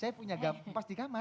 saya punya gambar pas di kamar